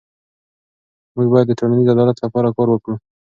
موږ باید د ټولنیز عدالت لپاره کار وکړو.